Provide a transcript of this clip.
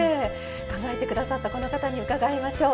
考えて下さったこの方に伺いましょう。